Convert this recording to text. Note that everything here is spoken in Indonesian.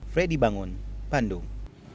freddy bangun bandung